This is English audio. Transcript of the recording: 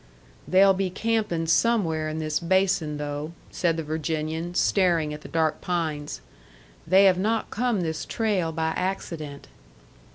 "They'll be camping somewhere in this basin, though," said the Virginian, staring at the dark pines. "They have not come this trail by accident."